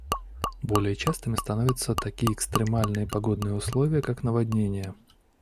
Более частыми становятся такие экстремальные погодные условия, как наводнения.